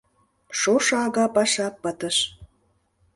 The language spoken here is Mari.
Шошо ага паша пытыш.